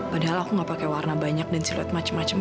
padahal aku nggak pakai warna banyak dan siruet macem macem